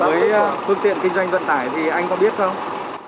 với phương tiện kinh doanh vận tải